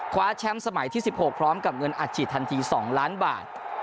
คว้าแชมป์สมัยที่สิบหกพร้อมกับเงินอาจจิตทันทีสองล้านบาท